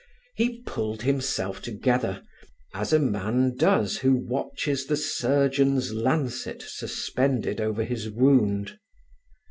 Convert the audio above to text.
He pulled himself together, as a man does who watches the surgeon's lancet suspended over his wound.